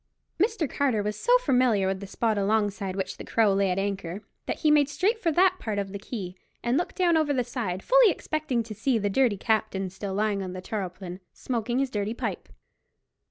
Mr. Carter was so familiar with the spot alongside which the Crow lay at anchor, that he made straight for that part of the quay and looked down over the side, fully expecting to see the dirty captain still lying on the tarpaulin, smoking his dirty pipe.